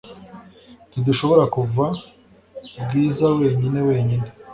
Ntidushobora kuva Bwiza wenyine wenyine .